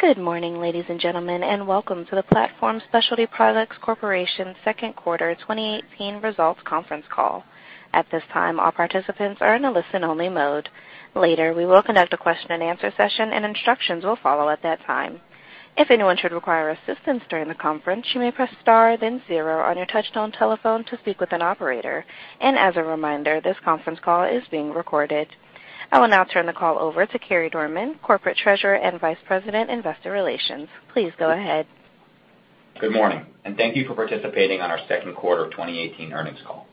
Good morning, ladies and gentlemen, and welcome to the Platform Specialty Products Corporation Second Quarter 2018 Results Conference Call. At this time, all participants are in a listen-only mode. Later, we will conduct a question and answer session, and instructions will follow at that time. If anyone should require assistance during the conference, you may press star then zero on your touch-tone telephone to speak with an operator. As a reminder, this conference call is being recorded. I will now turn the call over to Carey Dorman, Corporate Treasurer and Vice President, Investor Relations. Please go ahead. Good morning, thank you for participating in our second quarter 2018 earnings call.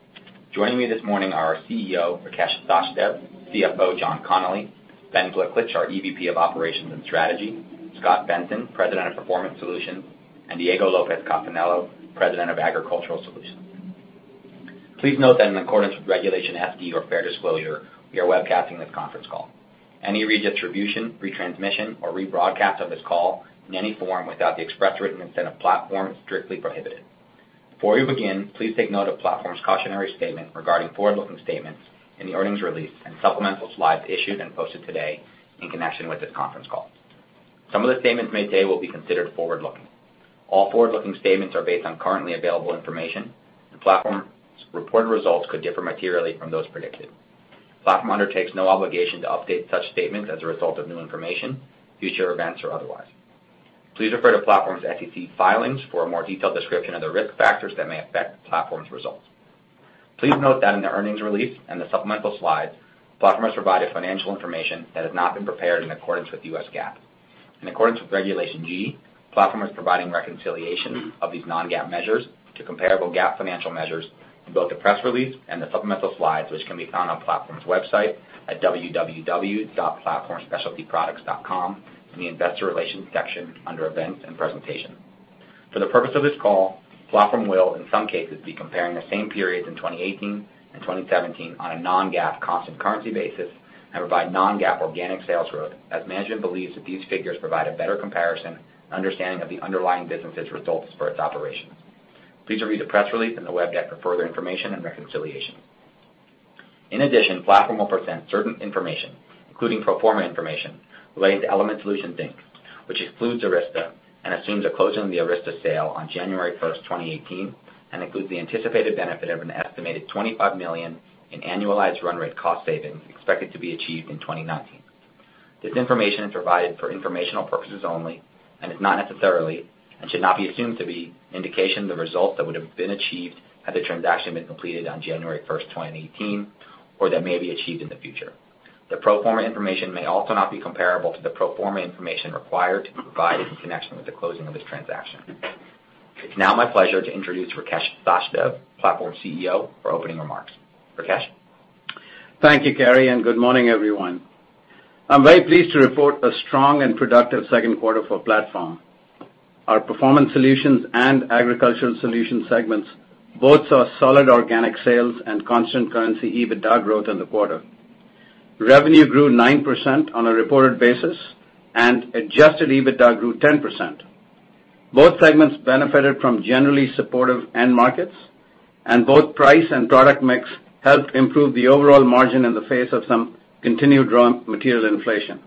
Joining me this morning are our CEO, Rakesh Sachdev, CFO, John Connolly, Ben Gliklich, our EVP of Operations and Strategy, Scot Benson, President of Performance Solutions, and Diego Lopez Casanello, President of Agricultural Solutions. Please note that in accordance with Regulation FD or fair disclosure, we are webcasting this conference call. Any redistribution, retransmission, or rebroadcast of this call in any form without the express written consent of Platform is strictly prohibited. Before we begin, please take note of Platform's cautionary statement regarding forward-looking statements in the earnings release and supplemental slides issued and posted today in connection with this conference call. Some of the statements made today will be considered forward-looking. All forward-looking statements are based on currently available information, and Platform's reported results could differ materially from those predicted. Platform undertakes no obligation to update such statements as a result of new information, future events, or otherwise. Please refer to Platform's SEC filings for a more detailed description of the risk factors that may affect Platform's results. Please note that in the earnings release and the supplemental slides, Platform has provided financial information that has not been prepared in accordance with the US GAAP. In accordance with Regulation G, Platform is providing reconciliation of these non-GAAP measures to comparable GAAP financial measures in both the press release and the supplemental slides, which can be found on Platform's website at www.platformspecialtyproducts.com in the investor relations section under events and presentation. For the purpose of this call, Platform will, in some cases, be comparing the same periods in 2018 and 2017 on a non-GAAP constant currency basis and provide non-GAAP organic sales growth, as management believes that these figures provide a better comparison and understanding of the underlying business' results for its operations. Please review the press release in the web deck for further information and reconciliation. In addition, Platform will present certain information, including pro forma information related to Element Solutions Inc., which excludes Arysta and assumes a closing of the Arysta sale on January first, 2018 and includes the anticipated benefit of an estimated $25 million in annualized run rate cost savings expected to be achieved in 2019. This information is provided for informational purposes only and is not necessarily, and should not be assumed to be, an indication of the results that would have been achieved had the transaction been completed on January first, 2018, or that may be achieved in the future. The pro forma information may also not be comparable to the pro forma information required to be provided in connection with the closing of this transaction. It's now my pleasure to introduce Rakesh Sachdev, Platform's CEO, for opening remarks. Rakesh? Thank you, Carey, and good morning, everyone. I'm very pleased to report a strong and productive second quarter for Platform. Our Performance Solutions and Agricultural Solutions segments both saw solid organic sales and constant currency EBITDA growth in the quarter. Revenue grew 9% on a reported basis, and adjusted EBITDA grew 10%. Both segments benefited from generally supportive end markets, and both price and product mix helped improve the overall margin in the face of some continued raw material inflation.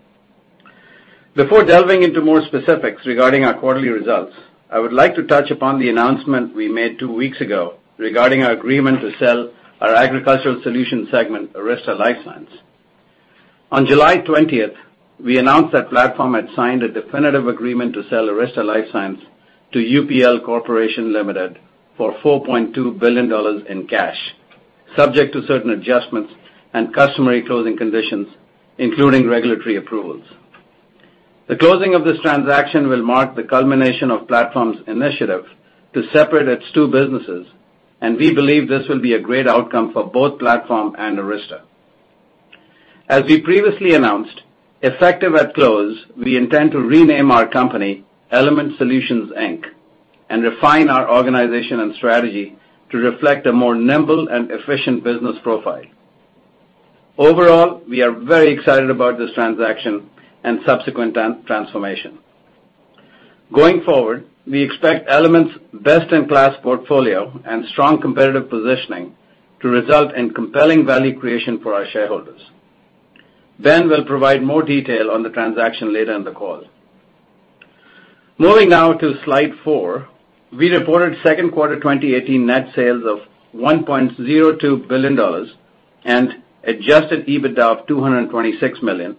Before delving into more specifics regarding our quarterly results, I would like to touch upon the announcement we made two weeks ago regarding our agreement to sell our Agricultural Solutions segment, Arysta LifeScience. On July 20th, we announced that Platform had signed a definitive agreement to sell Arysta LifeScience to UPL Corporation Limited for $4.2 billion in cash, subject to certain adjustments and customary closing conditions, including regulatory approvals. The closing of this transaction will mark the culmination of Platform's initiative to separate its two businesses, and we believe this will be a great outcome for both Platform and Arysta. As we previously announced, effective at close, we intend to rename our company Element Solutions Inc. and refine our organization and strategy to reflect a more nimble and efficient business profile. Overall, we are very excited about this transaction and subsequent transformation. Going forward, we expect Element's best-in-class portfolio and strong competitive positioning to result in compelling value creation for our shareholders. Ben will provide more detail on the transaction later in the call. Moving now to slide four. We reported second quarter 2018 net sales of $1.02 billion and adjusted EBITDA of $226 million,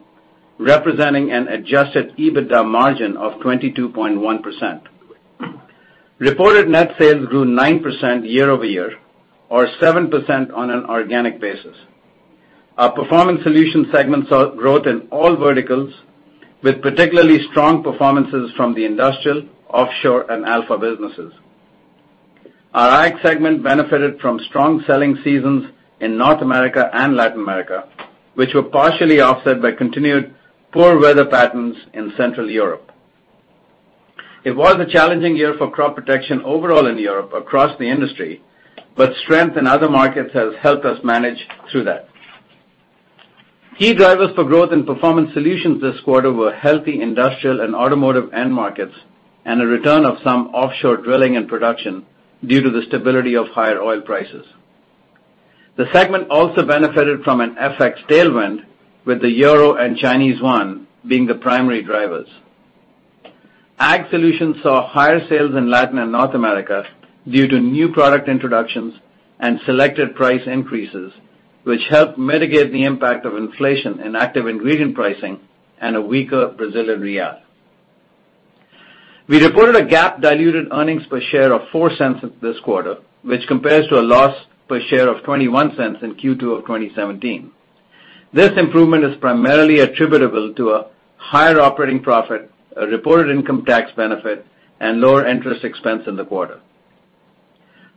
representing an adjusted EBITDA margin of 22.1%. Reported net sales grew 9% year-over-year or 7% on an organic basis. Our Performance Solutions segment saw growth in all verticals, with particularly strong performances from the industrial, offshore, and Alpha businesses. Our Ag segment benefited from strong selling seasons in North America and Latin America, which were partially offset by continued poor weather patterns in Central Europe. It was a challenging year for crop protection overall in Europe across the industry, but strength in other markets has helped us manage through that. Key drivers for growth in Performance Solutions this quarter were healthy industrial and automotive end markets and a return of some offshore drilling and production due to the stability of higher oil prices. The segment also benefited from an FX tailwind with the euro and Chinese yuan being the primary drivers. Agricultural Solutions saw higher sales in Latin and North America due to new product introductions and selected price increases, which helped mitigate the impact of inflation in active ingredient pricing and a weaker Brazilian real. We reported a GAAP diluted earnings per share of $0.04 this quarter, which compares to a loss per share of $0.21 in Q2 2017. This improvement is primarily attributable to a higher operating profit, a reported income tax benefit, and lower interest expense in the quarter.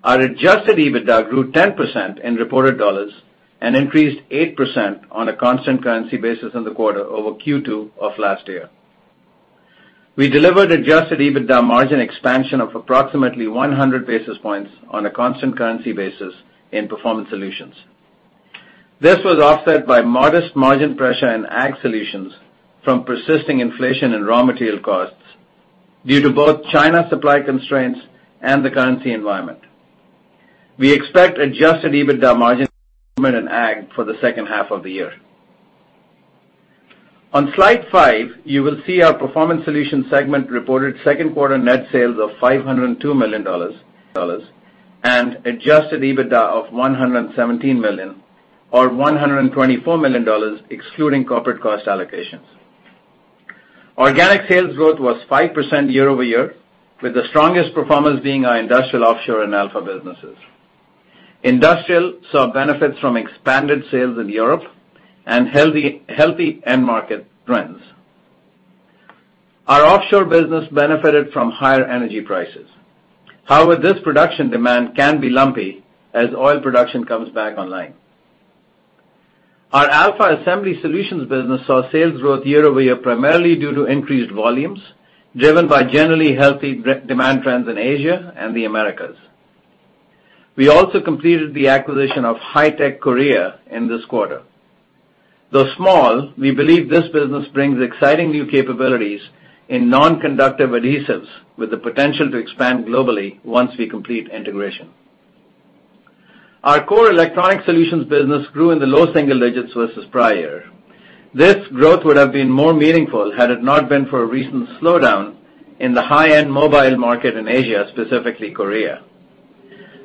Our adjusted EBITDA grew 10% in reported dollars and increased 8% on a constant currency basis in the quarter over Q2 of last year. We delivered adjusted EBITDA margin expansion of approximately 100 basis points on a constant currency basis in Performance Solutions. This was offset by modest margin pressure in Agricultural Solutions from persisting inflation in raw material costs due to both China supply constraints and the currency environment. We expect adjusted EBITDA margin improvement in Ag for the second half of the year. On slide five, you will see our Performance Solutions segment reported second quarter net sales of $502 million and adjusted EBITDA of $117 million or $124 million excluding corporate cost allocations. Organic sales growth was 5% year-over-year, with the strongest performance being our Industrial, Offshore, and Alpha businesses. Industrial saw benefits from expanded sales in Europe and healthy end market trends. Our Offshore business benefited from higher energy prices. However, this production demand can be lumpy as oil production comes back online. Our Alpha Assembly Solutions business saw sales growth year-over-year, primarily due to increased volumes driven by generally healthy demand trends in Asia and the Americas. We also completed the acquisition of HiTech Korea in this quarter. Though small, we believe this business brings exciting new capabilities in non-conductive adhesives with the potential to expand globally once we complete integration. Our core Electronic Solutions business grew in the low single digits versus prior. This growth would have been more meaningful had it not been for a recent slowdown in the high-end mobile market in Asia, specifically Korea.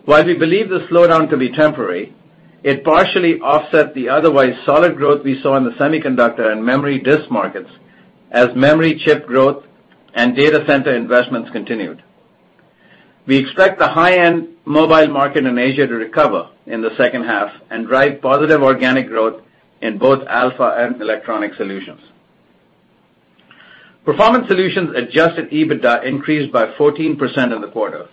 While we believe the slowdown to be temporary, it partially offset the otherwise solid growth we saw in the semiconductor and memory disk markets as memory chip growth and data center investments continued. We expect the high-end mobile market in Asia to recover in the second half and drive positive organic growth in both Alpha and Electronic Solutions. Performance Solutions adjusted EBITDA increased by 14% in the quarter,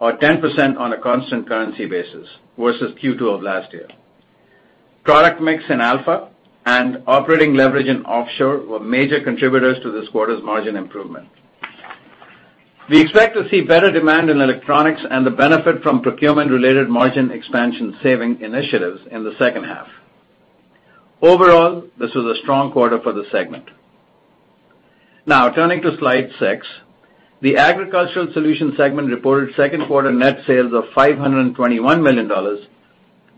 or 10% on a constant currency basis versus Q2 of last year. Product mix in Alpha and operating leverage in Offshore were major contributors to this quarter's margin improvement. We expect to see better demand in Electronics and the benefit from procurement-related margin expansion saving initiatives in the second half. Overall, this was a strong quarter for the segment. Now turning to slide six, the Agricultural Solutions segment reported second quarter net sales of $521 million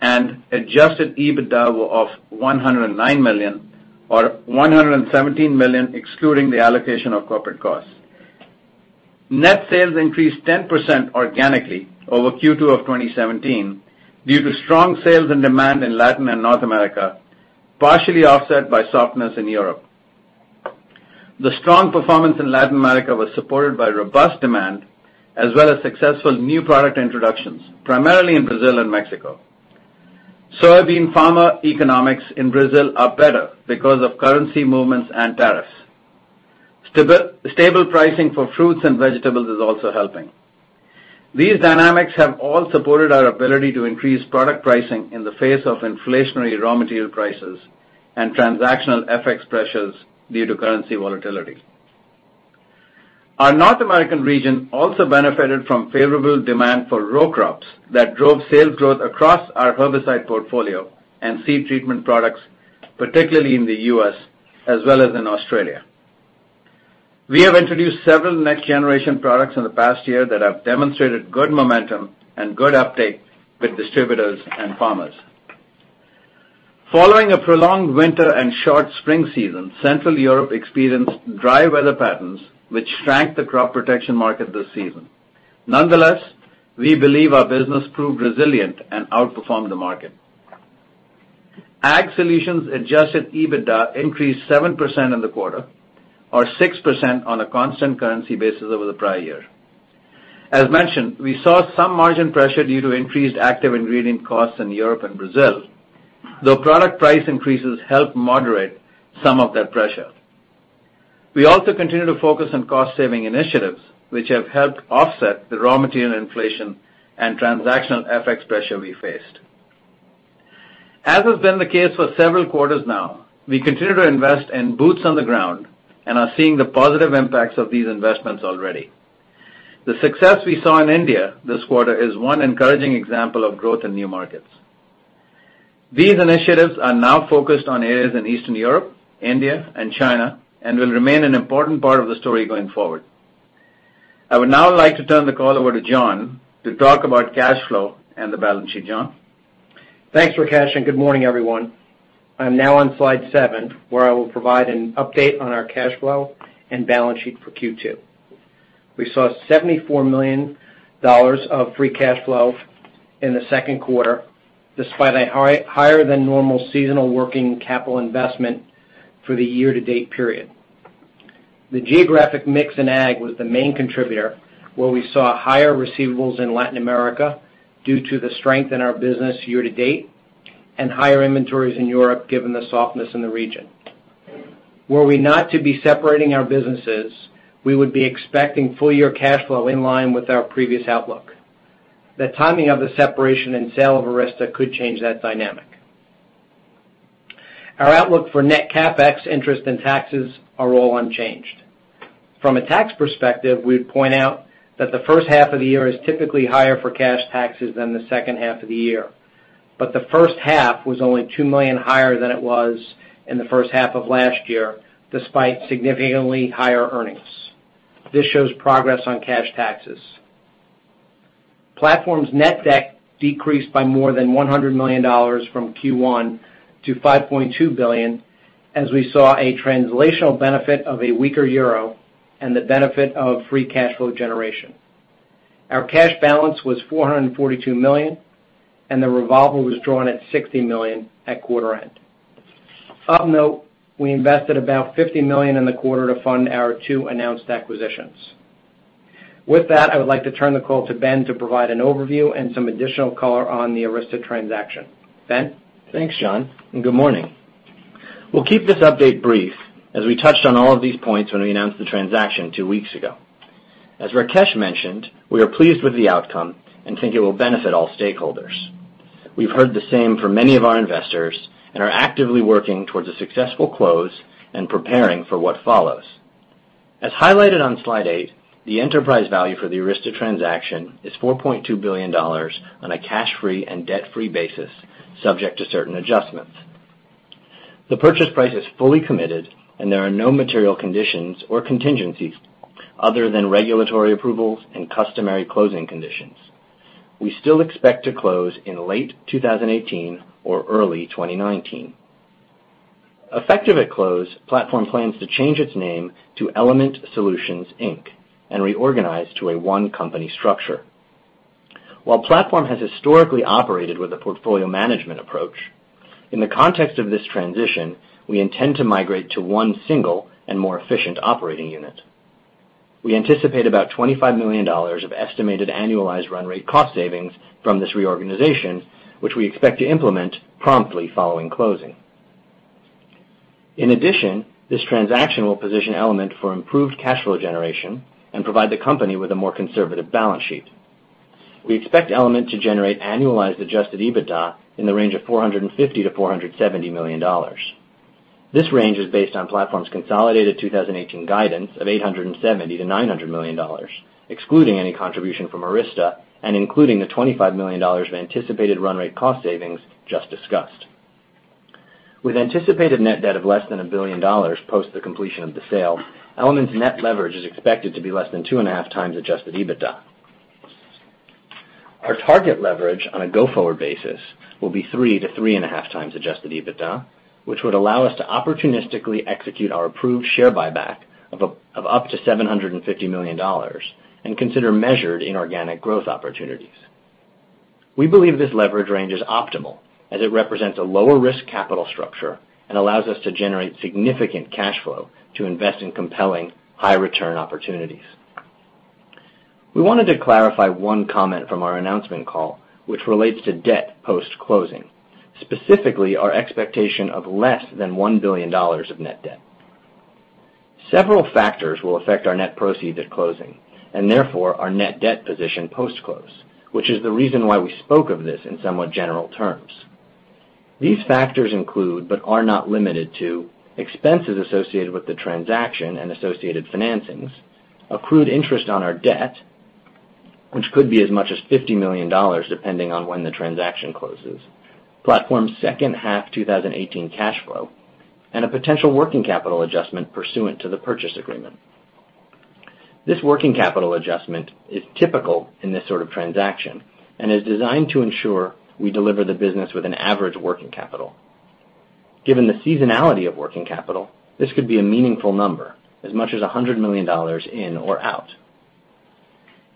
and adjusted EBITDA of $109 million or $117 million excluding the allocation of corporate costs. Net sales increased 10% organically over Q2 of 2017 due to strong sales and demand in Latin America and North America, partially offset by softness in Europe. The strong performance in Latin America was supported by robust demand as well as successful new product introductions, primarily in Brazil and Mexico. Soybean farmer economics in Brazil are better because of currency movements and tariffs. Stable pricing for fruits and vegetables is also helping. These dynamics have all supported our ability to increase product pricing in the face of inflationary raw material prices and transactional FX pressures due to currency volatility. Our North American region also benefited from favorable demand for row crops that drove sales growth across our herbicide portfolio and seed treatment products, particularly in the U.S. as well as in Australia. We have introduced several next-generation products in the past year that have demonstrated good momentum and good uptake with distributors and farmers. Following a prolonged winter and short spring season, central Europe experienced dry weather patterns, which shrank the crop protection market this season. Nonetheless, we believe our business proved resilient and outperformed the market. Ag Solutions adjusted EBITDA increased 7% in the quarter or 6% on a constant currency basis over the prior year. As mentioned, we saw some margin pressure due to increased active ingredient costs in Europe and Brazil, though product price increases helped moderate some of that pressure. We also continue to focus on cost-saving initiatives, which have helped offset the raw material inflation and transactional FX pressure we faced. As has been the case for several quarters now, we continue to invest in boots on the ground and are seeing the positive impacts of these investments already. The success we saw in India this quarter is one encouraging example of growth in new markets. These initiatives are now focused on areas in Eastern Europe, India, and China, and will remain an important part of the story going forward. I would now like to turn the call over to John to talk about cash flow and the balance sheet. John? Thanks, Rakesh, and good morning, everyone. I'm now on slide seven, where I will provide an update on our cash flow and balance sheet for Q2. We saw $74 million of free cash flow in the second quarter, despite a higher-than-normal seasonal working capital investment for the year-to-date period. The geographic mix in Ag was the main contributor, where we saw higher receivables in Latin America due to the strength in our business year-to-date, and higher inventories in Europe, given the softness in the region. Were we not to be separating our businesses, we would be expecting full-year cash flow in line with our previous outlook. The timing of the separation and sale of Arysta could change that dynamic. Our outlook for net CapEx interest and taxes are all unchanged. From a tax perspective, we point out that the first half of the year is typically higher for cash taxes than the second half of the year. The first half was only $2 million higher than it was in the first half of last year, despite significantly higher earnings. This shows progress on cash taxes. Platform's net debt decreased by more than $100 million from Q1 to $5.2 billion, as we saw a translational benefit of a weaker EUR and the benefit of free cash flow generation. Our cash balance was $442 million, and the revolver was drawn at $60 million at quarter end. Of note, we invested about $50 million in the quarter to fund our two announced acquisitions. With that, I would like to turn the call to Ben to provide an overview and some additional color on the Arysta transaction. Ben? Thanks, John, and good morning. We will keep this update brief, as we touched on all of these points when we announced the transaction two weeks ago. As Rakesh mentioned, we are pleased with the outcome and think it will benefit all stakeholders. We have heard the same from many of our investors and are actively working towards a successful close and preparing for what follows. As highlighted on slide eight, the enterprise value for the Arysta transaction is $4.2 billion on a cash-free and debt-free basis, subject to certain adjustments. The purchase price is fully committed, and there are no material conditions or contingencies other than regulatory approvals and customary closing conditions. We still expect to close in late 2018 or early 2019. Effective at close, Platform plans to change its name to Element Solutions Inc and reorganize to a one-company structure. While Platform has historically operated with a portfolio management approach, in the context of this transition, we intend to migrate to one single and more efficient operating unit. We anticipate about $25 million of estimated annualized run rate cost savings from this reorganization, which we expect to implement promptly following closing. In addition, this transaction will position Element for improved cash flow generation and provide the company with a more conservative balance sheet. We expect Element to generate annualized adjusted EBITDA in the range of $450 million-$470 million. This range is based on Platform's consolidated 2018 guidance of $870 million-$900 million, excluding any contribution from Arysta, and including the $25 million of anticipated run rate cost savings just discussed. With anticipated net debt of less than $1 billion post the completion of the sale, Element's net leverage is expected to be less than 2.5x adjusted EBITDA. Our target leverage on a go-forward basis will be 3x-3.5x adjusted EBITDA, which would allow us to opportunistically execute our approved share buyback of up to $750 million and consider measured inorganic growth opportunities. We believe this leverage range is optimal, as it represents a lower-risk capital structure and allows us to generate significant cash flow to invest in compelling, high-return opportunities. We wanted to clarify one comment from our announcement call, which relates to debt post-closing, specifically our expectation of less than $1 billion of net debt. Several factors will affect our net proceeds at closing, and therefore, our net debt position post-close, which is the reason why we spoke of this in somewhat general terms. These factors include, but are not limited to, expenses associated with the transaction and associated financings; accrued interest on our debt, which could be as much as $50 million, depending on when the transaction closes; Platform's second half 2018 cash flow; and a potential working capital adjustment pursuant to the purchase agreement. This working capital adjustment is typical in this sort of transaction and is designed to ensure we deliver the business with an average working capital. Given the seasonality of working capital, this could be a meaningful number, as much as $100 million in or out.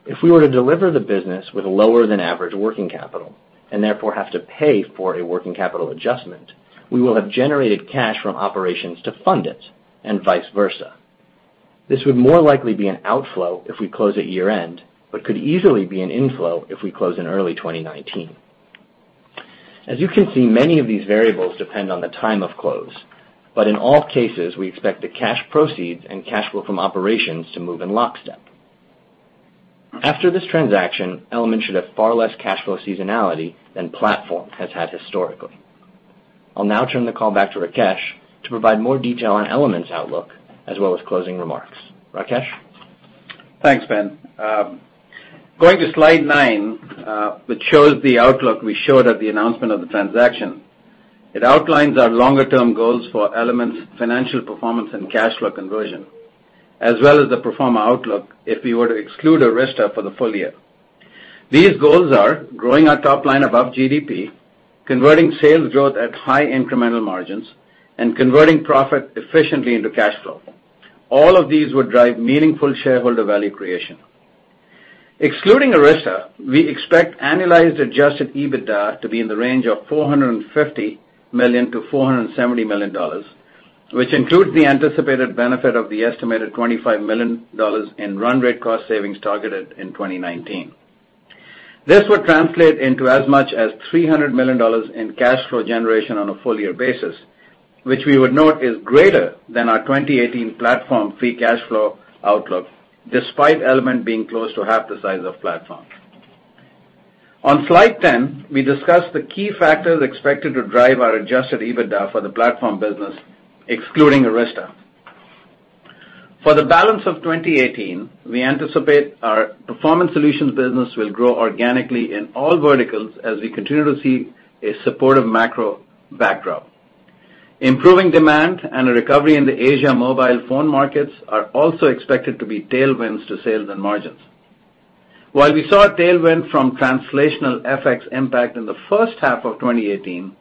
If we were to deliver the business with lower-than-average working capital, and therefore have to pay for a working capital adjustment, we will have generated cash from operations to fund it, and vice versa. This would more likely be an outflow if we close at year-end but could easily be an inflow if we close in early 2019. In all cases, we expect the cash proceeds and cash flow from operations to move in lockstep. After this transaction, Element should have far less cash flow seasonality than Platform has had historically. I'll now turn the call back to Rakesh to provide more detail on Element's outlook as well as closing remarks. Rakesh? Thanks, Ben. Going to slide nine, which shows the outlook we showed at the announcement of the transaction. It outlines our longer-term goals for Element's financial performance and cash flow conversion, as well as the pro forma outlook if we were to exclude Arysta for the full year. These goals are growing our top line above GDP, converting sales growth at high incremental margins, and converting profit efficiently into cash flow. All of these would drive meaningful shareholder value creation. Excluding Arysta, we expect annualized adjusted EBITDA to be in the range of $450 million-$470 million, which includes the anticipated benefit of the estimated $25 million in run rate cost savings targeted in 2019. This would translate into as much as $300 million in cash flow generation on a full-year basis, which we would note is greater than our 2018 Platform free cash flow outlook, despite Element being close to half the size of Platform. On slide 10, we discuss the key factors expected to drive our adjusted EBITDA for the Platform business, excluding Arysta. For the balance of 2018, we anticipate our Performance Solutions business will grow organically in all verticals as we continue to see a supportive macro backdrop. Improving demand and a recovery in the Asia mobile phone markets are also expected to be tailwinds to sales and margins. We saw a tailwind from translational FX impact in the first half of 2018,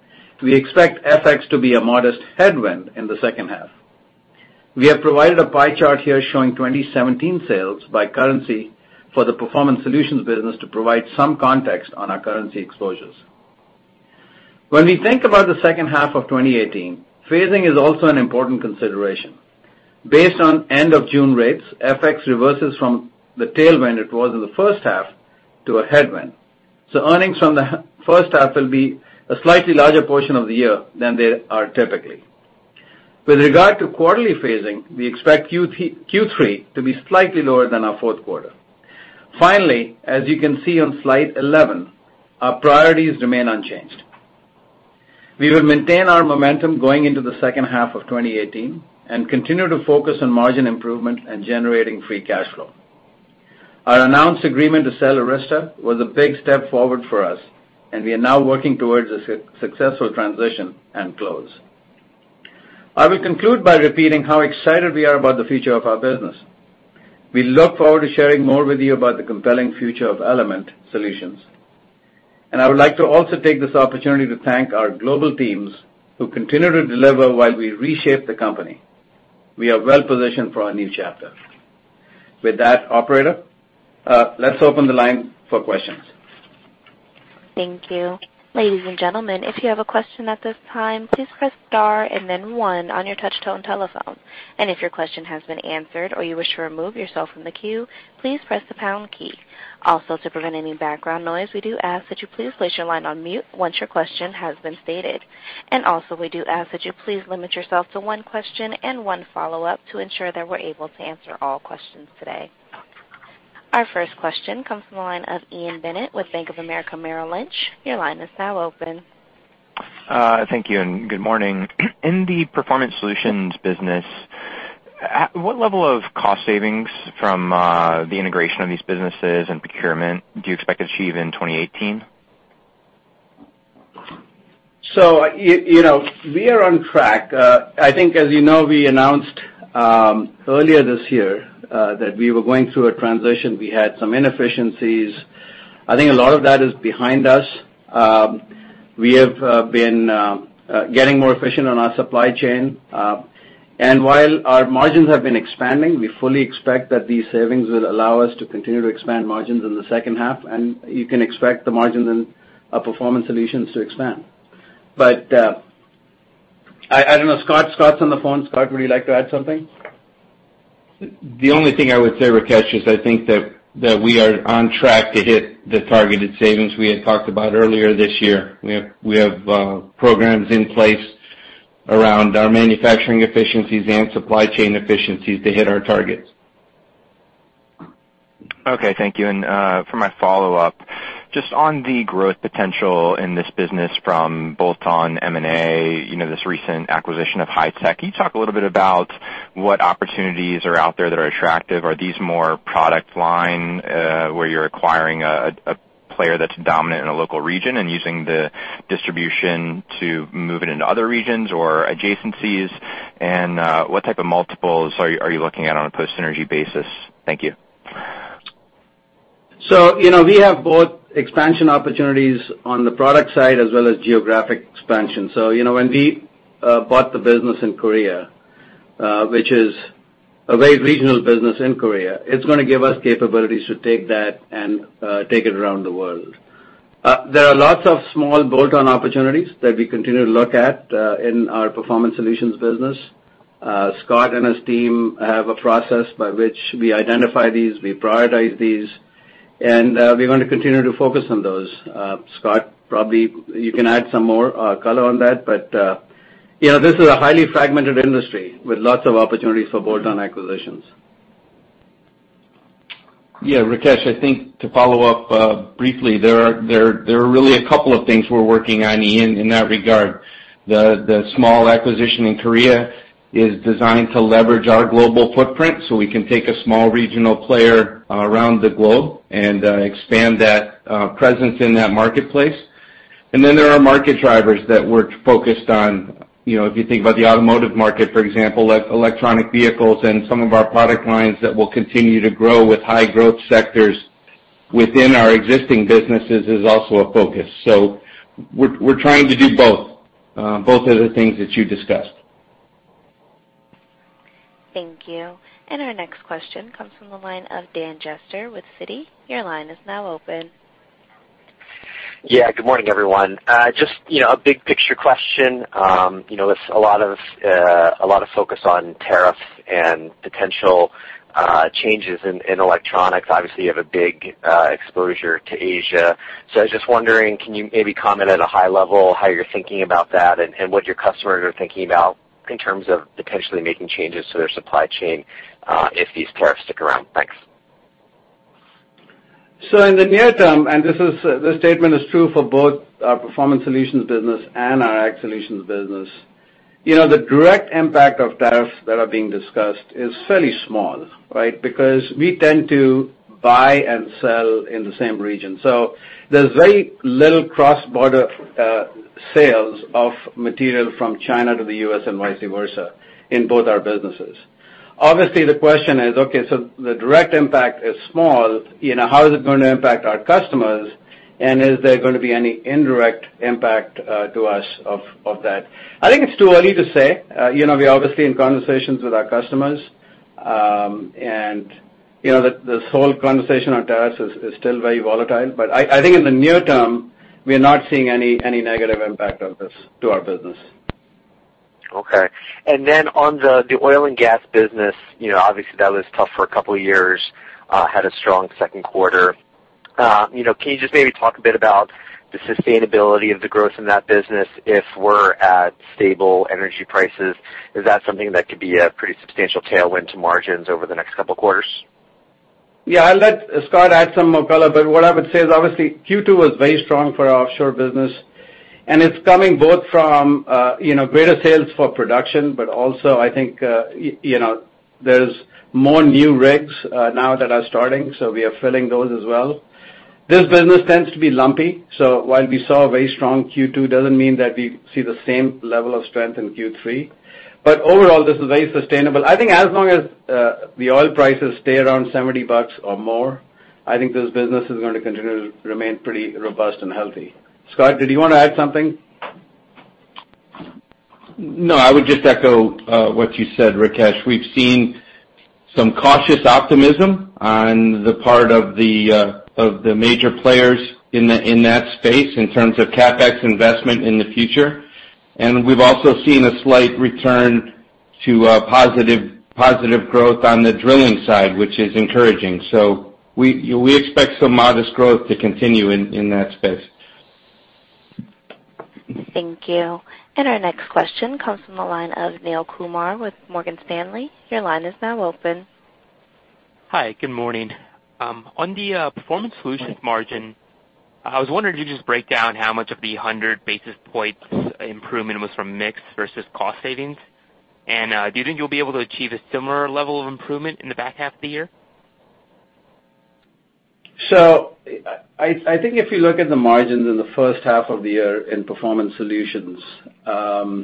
we expect FX to be a modest headwind in the second half. We have provided a pie chart here showing 2017 sales by currency for the Performance Solutions business to provide some context on our currency exposures. When we think about the second half of 2018, phasing is also an important consideration. Based on end of June rates, FX reverses from the tailwind it was in the first half to a headwind. Earnings from the first half will be a slightly larger portion of the year than they are typically. With regard to quarterly phasing, we expect Q3 to be slightly lower than our fourth quarter. As you can see on slide 11, our priorities remain unchanged. We will maintain our momentum going into the second half of 2018 and continue to focus on margin improvement and generating free cash flow. Our announced agreement to sell Arysta was a big step forward for us, and we are now working towards a successful transition and close. I will conclude by repeating how excited we are about the future of our business. We look forward to sharing more with you about the compelling future of Element Solutions, and I would like to also take this opportunity to thank our global teams who continue to deliver while we reshape the company. We are well positioned for our new chapter. With that, operator, let's open the line for questions. Thank you. Ladies and gentlemen, if you have a question at this time, please press star and then one on your touch-tone telephone. If your question has been answered or you wish to remove yourself from the queue, please press the pound key. To prevent any background noise, we do ask that you please place your line on mute once your question has been stated. We do ask that you please limit yourself to one question and one follow-up to ensure that we're able to answer all questions today. Our first question comes from the line of Ian Bennett with Bank of America Merrill Lynch. Your line is now open. Thank you, and good morning. In the Performance Solutions business, what level of cost savings from the integration of these businesses and procurement do you expect to achieve in 2018? We are on track. I think, as you know, we announced earlier this year that we were going through a transition. We had some inefficiencies. I think a lot of that is behind us. We have been getting more efficient on our supply chain, and while our margins have been expanding, we fully expect that these savings will allow us to continue to expand margins in the second half, and you can expect the margins in our Performance Solutions to expand. I don't know. Scot's on the phone. Scot, would you like to add something? The only thing I would say, Rakesh, is I think that we are on track to hit the targeted savings we had talked about earlier this year. We have programs in place around our manufacturing efficiencies and supply chain efficiencies to hit our targets. Okay, thank you. For my follow-up, just on the growth potential in this business from bolt-on M&A, this recent acquisition of HiTech, can you talk a little bit about what opportunities are out there that are attractive? Are these more product line, where you're acquiring a player that's dominant in a local region and using the distribution to move it into other regions or adjacencies? What type of multiples are you looking at on a post-synergy basis? Thank you. We have both expansion opportunities on the product side as well as geographic expansion. When we bought the business in Korea, which is a very regional business in Korea, it's going to give us capabilities to take that and take it around the world. There are lots of small bolt-on opportunities that we continue to look at in our Performance Solutions business. Scot and his team have a process by which we identify these, we prioritize these, and we're going to continue to focus on those. Scot, probably you can add some more color on that. This is a highly fragmented industry with lots of opportunities for bolt-on acquisitions. Rakesh, I think to follow up briefly, there are really a couple of things we're working on, Ian, in that regard. The small acquisition in Korea is designed to leverage our global footprint, so we can take a small regional player around the globe and expand that presence in that marketplace. There are market drivers that we're focused on. If you think about the automotive market, for example, electronic vehicles and some of our product lines that will continue to grow with high growth sectors within our existing businesses is also a focus. We're trying to do both of the things that you discussed. Thank you. Our next question comes from the line of Daniel Jester with Citi. Your line is now open. Good morning, everyone. Just a big picture question. With a lot of focus on tariffs and potential changes in Electronics, obviously, you have a big exposure to Asia. I was just wondering, can you maybe comment at a high level how you're thinking about that and what your customers are thinking about in terms of potentially making changes to their supply chain if these tariffs stick around? Thanks. In the near term, and this statement is true for both our Performance Solutions business and our Ag Solutions business, the direct impact of tariffs that are being discussed is fairly small, right? Because we tend to buy and sell in the same region. There's very little cross-border sales of material from China to the U.S. and vice versa in both our businesses. Obviously, the question is, okay, the direct impact is small, how is it going to impact our customers, and is there going to be any indirect impact to us of that? I think it's too early to say. We're obviously in conversations with our customers. The whole conversation on tariffs is still very volatile. I think in the near term, we are not seeing any negative impact of this to our business. Okay. On the oil and gas business, obviously, that was tough for a couple of years, had a strong second quarter. Can you just maybe talk a bit about the sustainability of the growth in that business if we're at stable energy prices? Is that something that could be a pretty substantial tailwind to margins over the next couple of quarters? Yeah, I'll let Scot add some more color. What I would say is, obviously, Q2 was very strong for our offshore business, and it's coming both from greater sales for production, but also I think there's more new rigs now that are starting, so we are filling those as well. This business tends to be lumpy, so while we saw a very strong Q2, doesn't mean that we see the same level of strength in Q3. Overall, this is very sustainable. I think as long as the oil prices stay around $70 or more, I think this business is going to continue to remain pretty robust and healthy. Scot, did you want to add something? No, I would just echo what you said, Rakesh. We've seen some cautious optimism on the part of the major players in that space in terms of CapEx investment in the future, and we've also seen a slight return to positive growth on the drilling side, which is encouraging. We expect some modest growth to continue in that space. Thank you. Our next question comes from the line of Neel Kumar with Morgan Stanley. Your line is now open. Hi, good morning. On the Performance Solutions margin, I was wondering if you could just break down how much of the 100 basis points improvement was from mix versus cost savings. Do you think you'll be able to achieve a similar level of improvement in the back half of the year? I think if you look at the margins in the first half of the year in Performance Solutions, you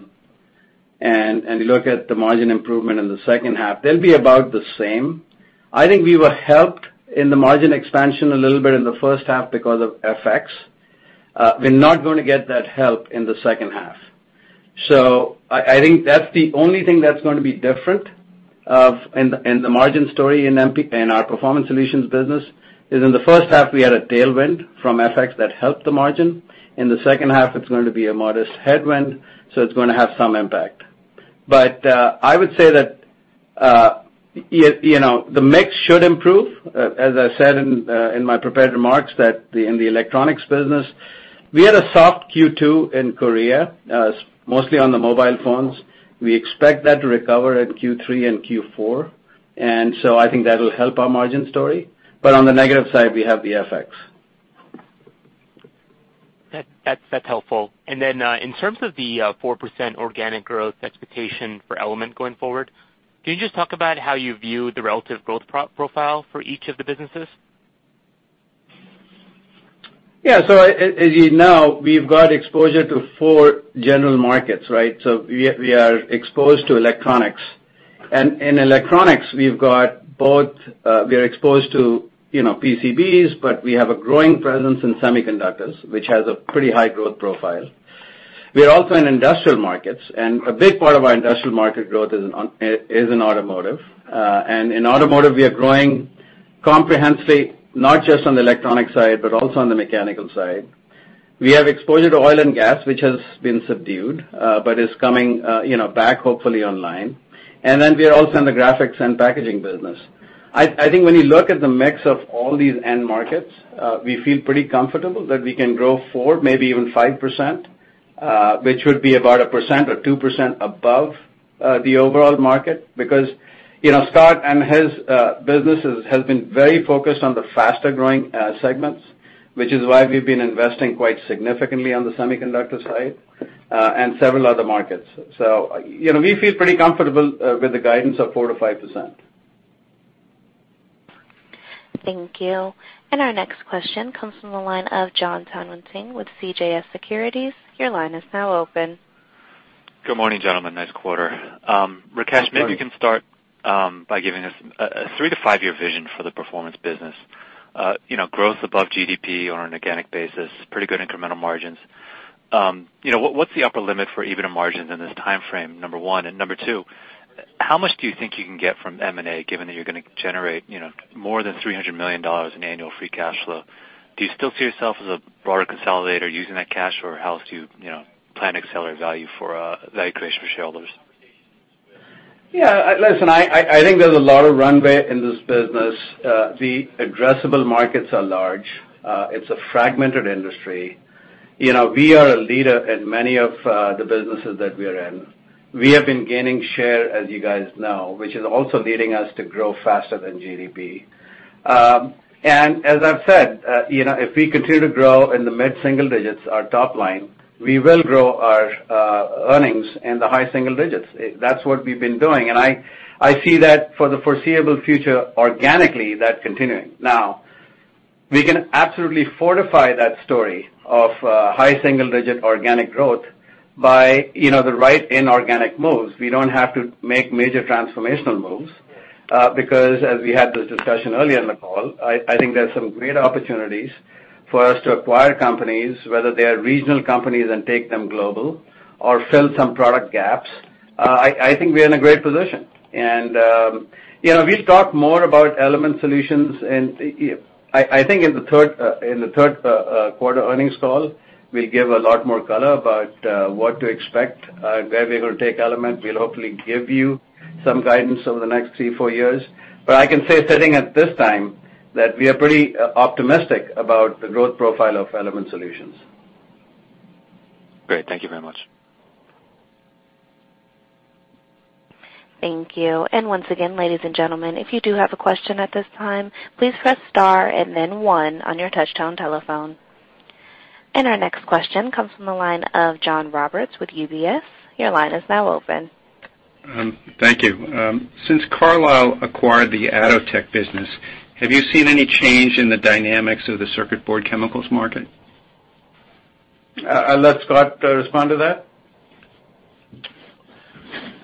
look at the margin improvement in the second half, they'll be about the same. I think we were helped in the margin expansion a little bit in the first half because of FX. We're not going to get that help in the second half. I think that's the only thing that's going to be different in the margin story in our Performance Solutions business, is in the first half, we had a tailwind from FX that helped the margin. In the second half, it's going to be a modest headwind, it's going to have some impact. I would say that the mix should improve, as I said in my prepared remarks, that in the Electronics business, we had a soft Q2 in Korea, mostly on the mobile phones. We expect that to recover in Q3 and Q4. I think that'll help our margin story. On the negative side, we have the FX. That's helpful. In terms of the 4% organic growth expectation for Element going forward, can you just talk about how you view the relative growth profile for each of the businesses? As you know, we've got exposure to four general markets, right? We are exposed to Electronics. In Electronics, we are exposed to PCBs, but we have a growing presence in semiconductors, which has a pretty high growth profile. We are also in industrial markets. A big part of our industrial market growth is in automotive. In automotive, we are growing comprehensively, not just on the electronic side, but also on the mechanical side. We have exposure to oil and gas, which has been subdued, but is coming back hopefully online. We are also in the graphics and packaging business. I think when you look at the mix of all these end markets, we feel pretty comfortable that we can grow 4%, maybe even 5%, which would be about 1% or 2% above the overall market. Scot and his businesses have been very focused on the faster-growing segments. Which is why we've been investing quite significantly on the semiconductor side, and several other markets. We feel pretty comfortable with the guidance of 4% to 5%. Thank you. Our next question comes from the line of John Tanwaniching with CJS Securities. Your line is now open. Good morning, gentlemen. Nice quarter. Good morning. Number two, how much do you think you can get from M&A, given that you're going to generate more than $300 million in annual free cash flow? Do you still see yourself as a broader consolidator using that cash, or how else do you plan to accelerate value creation for shareholders? Listen, I think there's a lot of runway in this business. The addressable markets are large. It's a fragmented industry. We are a leader in many of the businesses that we are in. We have been gaining share, as you guys know, which is also leading us to grow faster than GDP. As I've said, if we continue to grow in the mid-single digits, our top line, we will grow our earnings in the high single digits. That's what we've been doing. I see that for the foreseeable future, organically, that continuing. Now, we can absolutely fortify that story of high single-digit organic growth by the right inorganic moves. We don't have to make major transformational moves, because as we had this discussion earlier in the call, I think there's some great opportunities for us to acquire companies, whether they are regional companies, and take them global, or fill some product gaps. I think we are in a great position. We'll talk more about Element Solutions in, I think in the third quarter earnings call, we'll give a lot more color about what to expect, where we're going to take Element. We'll hopefully give you some guidance over the next three, four years. I can say sitting at this time, that we are pretty optimistic about the growth profile of Element Solutions. Great. Thank you very much. Thank you. Once again, ladies and gentlemen, if you do have a question at this time, please press star and then one on your touch-tone telephone. Our next question comes from the line of John Roberts with UBS. Your line is now open. Thank you. Since Carlyle acquired the Atotech business, have you seen any change in the dynamics of the circuit board chemicals market? I'll let Scot respond to that.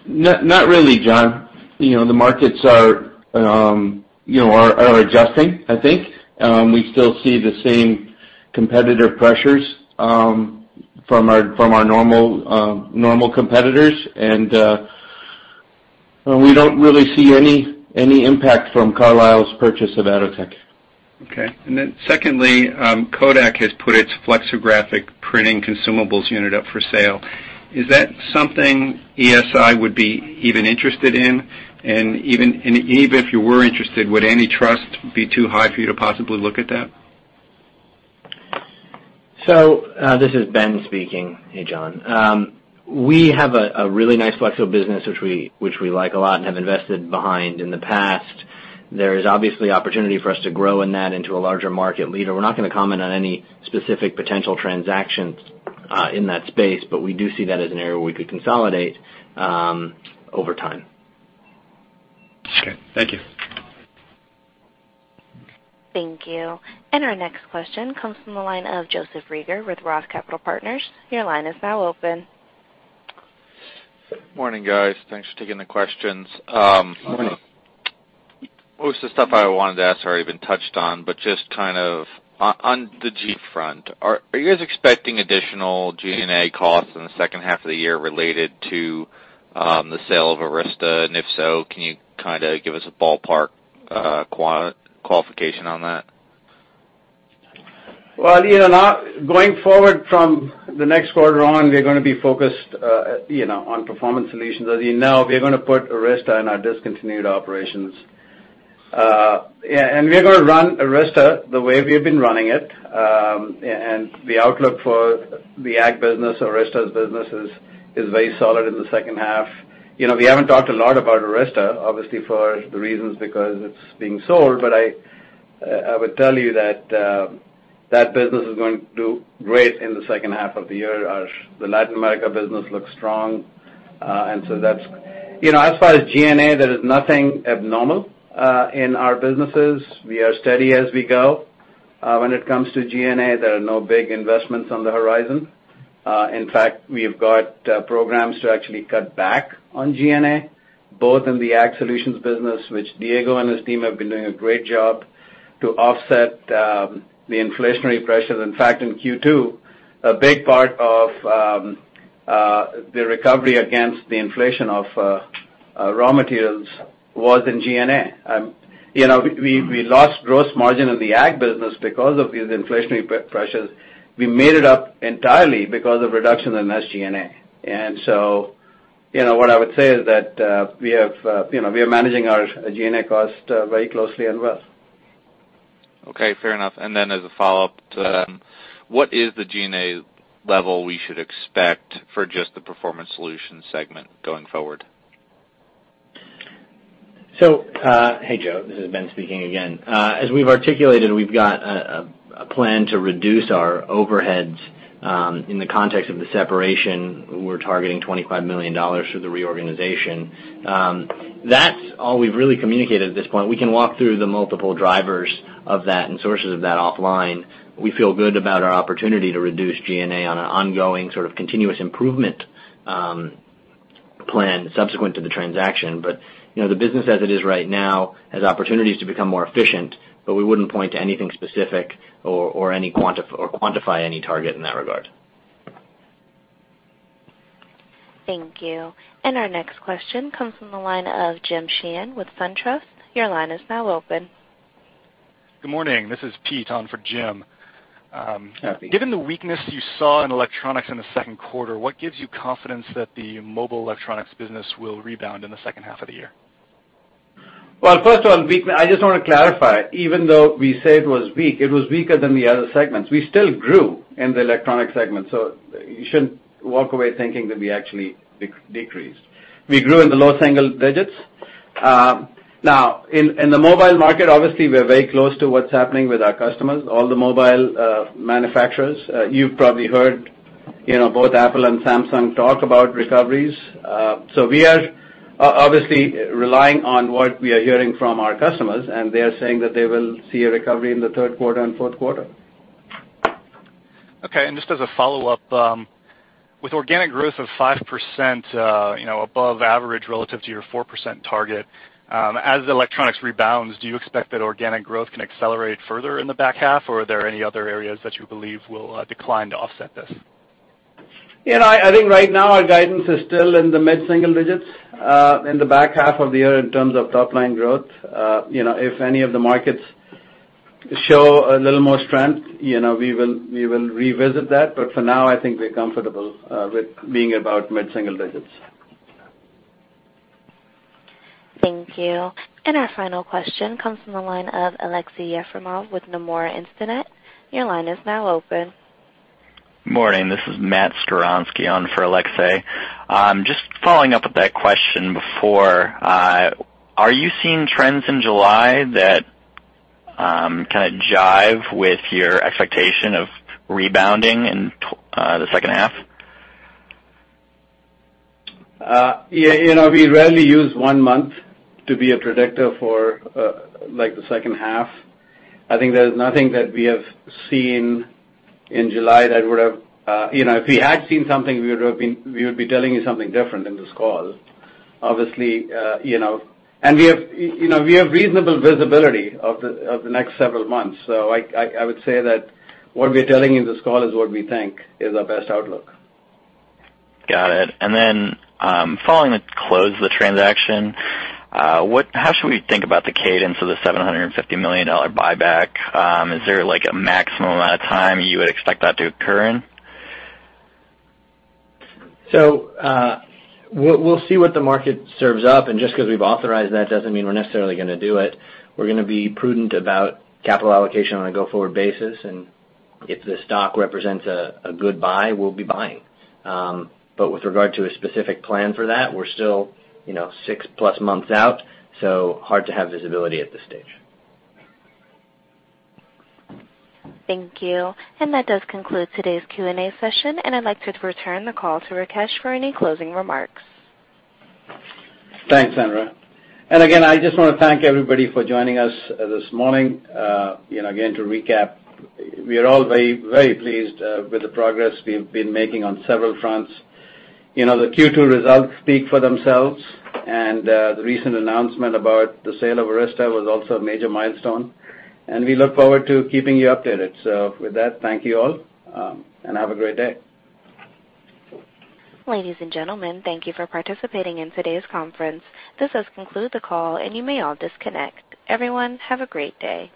Not really, John. The markets are adjusting, I think. We still see the same competitive pressures from our normal competitors, and we don't really see any impact from Carlyle's purchase of Atotech. Okay. Secondly, Kodak has put its flexographic printing consumables unit up for sale. Is that something ESI would be even interested in? Even if you were interested, would any price be too high for you to possibly look at that? This is Ben speaking. Hey, John. We have a really nice flexo business, which we like a lot and have invested behind in the past. There is obviously opportunity for us to grow in that into a larger market leader. We're not going to comment on any specific potential transactions in that space, but we do see that as an area we could consolidate over time. Okay. Thank you. Thank you. Our next question comes from the line of Joseph Reagor with Roth Capital Partners. Your line is now open. Morning, guys. Thanks for taking the questions. Morning. Most of the stuff I wanted to ask has already been touched on, just on the G front, are you guys expecting additional G&A costs in the second half of the year related to the sale of Arysta? If so, can you kind of give us a ballpark quantification on that? Well, going forward from the next quarter on, we're going to be focused on Performance Solutions. As you know, we're going to put Arysta in our discontinued operations. We're going to run Arysta the way we've been running it. The outlook for the Ag business or Arysta's business is very solid in the second half. We haven't talked a lot about Arysta, obviously for the reasons because it's being sold. I would tell you that that business is going to do great in the second half of the year. The Latin America business looks strong. That's as far as G&A, there is nothing abnormal in our businesses. We are steady as we go. When it comes to G&A, there are no big investments on the horizon. In fact, we have got programs to actually cut back on G&A, both in the Agricultural Solutions business, which Diego and his team have been doing a great job to offset the inflationary pressures. In fact, in Q2, a big part of the recovery against the inflation of raw materials was in G&A. We lost gross margin in the Ag business because of these inflationary pressures. We made it up entirely because of reduction in SG&A. What I would say is that, we are managing our G&A cost very closely and well. Okay, fair enough. As a follow-up to that, what is the G&A level we should expect for just the Performance Solutions segment going forward? Hey, Joe, this is Ben speaking again. As we've articulated, we've got a plan to reduce our overheads in the context of the separation. We're targeting $25 million through the reorganization. That's all we've really communicated at this point. We can walk through the multiple drivers of that and sources of that offline. We feel good about our opportunity to reduce G&A on an ongoing sort of continuous improvement plan subsequent to the transaction. The business as it is right now, has opportunities to become more efficient, but we wouldn't point to anything specific or quantify any target in that regard. Thank you. Our next question comes from the line of Jim Sheehan with SunTrust. Your line is now open. Good morning. This is Pete on for Jim. Hi, Pete. Given the weakness you saw in Electronics in the second quarter, what gives you confidence that the mobile Electronics business will rebound in the second half of the year? Well, first of all, I just want to clarify, even though we say it was weak, it was weaker than the other segments. We still grew in the Electronics segment. You shouldn't walk away thinking that we actually decreased. We grew in the low single digits. Now, in the mobile market, obviously, we're very close to what's happening with our customers, all the mobile manufacturers. You've probably heard both Apple and Samsung talk about recoveries. We are obviously relying on what we are hearing from our customers, and they are saying that they will see a recovery in the third quarter and fourth quarter. Okay, just as a follow-up, with organic growth of 5% above average relative to your 4% target, as Electronics rebounds, do you expect that organic growth can accelerate further in the back half, or are there any other areas that you believe will decline to offset this? I think right now our guidance is still in the mid-single digits in the back half of the year in terms of top-line growth. If any of the markets show a little more strength, we will revisit that. For now, I think we're comfortable with being about mid-single digits. Thank you. Our final question comes from the line of Aleksey Yefremov with Nomura Instinet. Your line is now open. Morning, this is Matthew Skowronski on for Aleksey. Just following up with that question before, are you seeing trends in July that kind of jive with your expectation of rebounding in the second half? We rarely use one month to be a predictor for the second half. I think there's nothing that we have seen in July. If we had seen something, we would be telling you something different in this call, obviously. We have reasonable visibility of the next several months. I would say that what we're telling you in this call is what we think is our best outlook. Got it. Following the close of the transaction, how should we think about the cadence of the $750 million buyback? Is there a maximum amount of time you would expect that to occur in? We'll see what the market serves up, and just because we've authorized that doesn't mean we're necessarily going to do it. We're going to be prudent about capital allocation on a go-forward basis, and if the stock represents a good buy, we'll be buying. With regard to a specific plan for that, we're still six-plus months out, so hard to have visibility at this stage. Thank you. That does conclude today's Q&A session, and I'd like to return the call to Rakesh for any closing remarks. Thanks, Sandra. Again, I just want to thank everybody for joining us this morning. Again, to recap, we are all very pleased with the progress we've been making on several fronts. The Q2 results speak for themselves, and the recent announcement about the sale of Arysta was also a major milestone, and we look forward to keeping you updated. With that, thank you all, and have a great day. Ladies and gentlemen, thank you for participating in today's conference. This does conclude the call, and you may all disconnect. Everyone, have a great day.